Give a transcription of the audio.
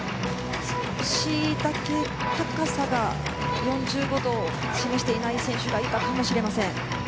少しだけ高さが４５度を示していない選手がいたかもしれません。